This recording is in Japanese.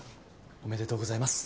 おめでとうございます。